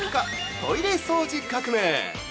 トイレ掃除革命！